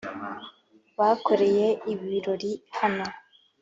bakoreye ibirori hano